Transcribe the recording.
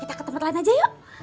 kita ke tempat lain aja yuk